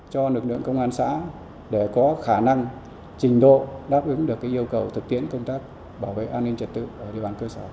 cho lực lượng công an xã để có khả năng trình độ đáp ứng được yêu cầu thực tiễn công tác bảo vệ an ninh trật tự ở địa bàn cơ sở